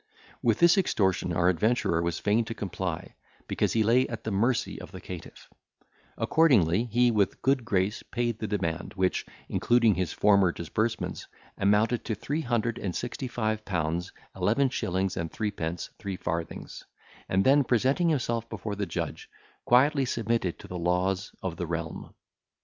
With this extortion our adventurer was fain to comply, because he lay at the mercy of the caitiff; accordingly, he with a good grace paid the demand, which, including his former disbursements, amounted to three hundred and sixty five pounds eleven shillings and threepence three farthings, and then presenting himself before the judge, quietly submitted to the laws of the realm.